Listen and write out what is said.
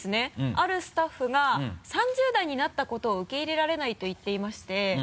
あるスタッフが３０代になったことを受け入れられないと言っていまして。